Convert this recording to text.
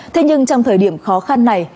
thế nhưng trong thời điểm khó khăn này